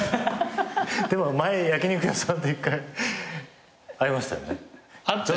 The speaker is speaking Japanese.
でも前焼き肉屋さんで１回ありましたよね。